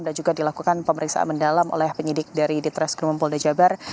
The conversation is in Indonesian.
dan juga dilakukan pemeriksaan mendalam oleh penyidik dari ditresk krumen polda jabar